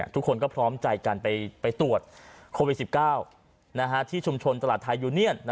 ทุกคนก็พร้อมใจกันไปตรวจโควิด๑๙ที่ชุมชนตลาดไทยยูเนียน